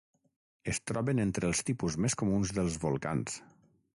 Es troben entre els tipus més comuns dels volcans.